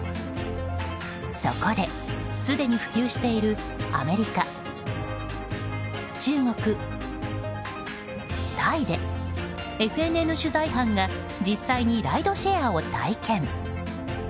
そこで、すでに普及しているアメリカ、中国、タイでＦＮＮ取材班が実際にライドシェアを体験。